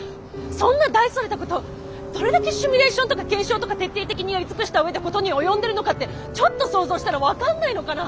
そんな大それたことどれだけシミュレーションとか検証とか徹底的にやり尽くした上で事に及んでるのかってちょっと想像したら分かんないのかな。